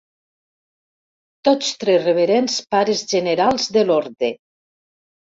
Tots tres Reverends Pares Generals de l'orde.